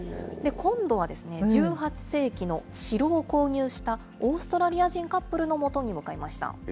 今度は１８世紀の城を購入したオーストラリア人カップルのもとに向かいました。